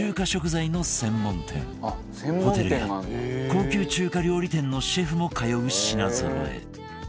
ホテルや高級中華料理店のシェフも通う品ぞろえ